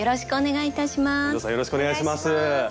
よろしくお願いします。